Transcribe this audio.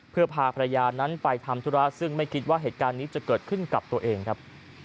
เพื่อพาภรรยานั้นไปทำธุระซึ่งไม่คิดว่าเหตุการณ์นี้จะเกิดขึ้นกับตัวเองครับ